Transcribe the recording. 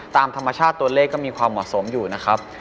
ตามธรรมชาติตัวเลขก็มีความเหมาะสมอยู่นะครับ